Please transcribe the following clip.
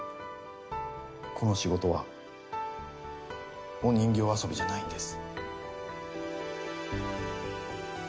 この仕事はお人形遊びじゃないんです。